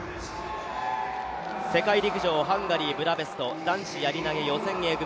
世界陸上ハンガリー・ブダペスト、男子やり投予選Ａ組。